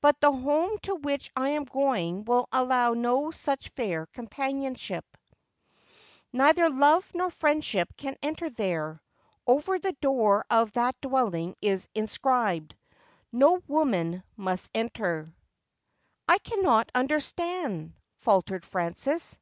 But the home to which I am going will allow of no such fair companionship. 364 Just as I Am. Neither love nor friendship can enter there. Over the door of that dwelling is inscribed, " no woman must enter." '' I cannot understand,' faltered Frances.